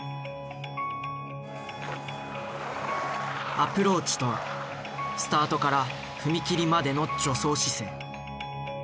アプローチとはスタートから踏切までの助走姿勢。